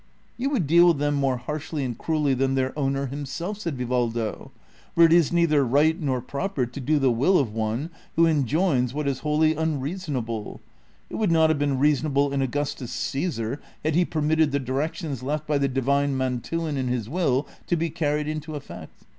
'' You would deal with them more harshly and cruelly than their owner himself,'' said Vivaldo, " for it is neither right nor pro})er to do the will of one who enjoins what is Avholly ini reasonable ; it would not have been reasonable in Augustus Ceesar had he permitted the directions left by the divine Man tuan in his Avill to be carried into effect.